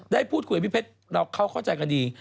ได้พูดคุยกับพี่เพชรเขาเข้าใจกันดี